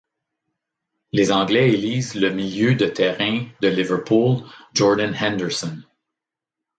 Les anglais élisent le milieu de terrain de Liverpool Jordan Henderson.